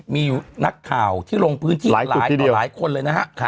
มีอยู่นักข่าวที่ลงพื้นที่หลายคนเลยนะฮะ